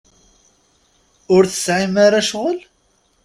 Ur tesɛim ara ccɣel?